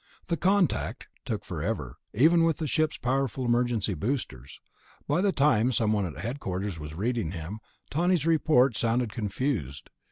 The contact took forever, even with the ship's powerful emergency boosters. By the time someone at headquarters was reading him, Tawney's report sounded confused.